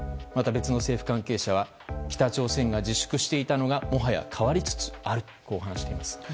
また別の政府関係者は北朝鮮が自粛していたのがもはや変わりつつあると話しています。